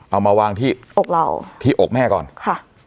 เอามาวางที่อกเราที่อกแม่ก่อนค่ะ